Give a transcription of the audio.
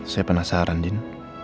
saya penasaran din